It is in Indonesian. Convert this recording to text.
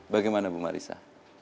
bagaimana bu marissa